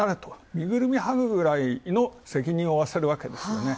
身包みをはぐくらいの責任を負わせるわけですね。